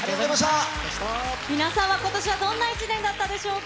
皆さんはことしはどんな１年だったでしょうか。